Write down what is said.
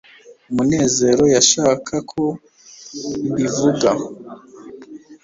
munezero yashaka ko mbivuga